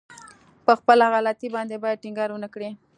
په خپله غلطي باندې بايد ټينګار ونه کړي.